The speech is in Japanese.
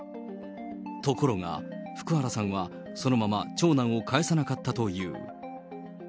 ところが、福原さんはそのまま長男を返さなかったという。